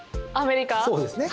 そうですね。